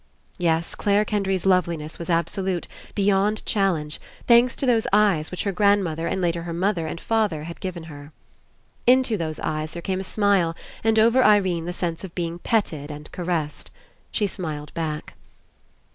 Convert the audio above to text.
Yes, Clare Kendry's loveliness was ab solute, beyond challenge, thanks to those eyes which her grandmother and later her mother and father had given her. Into those eyes there came a smile and over Irene the sense of being petted and ca ressed. She smiled back.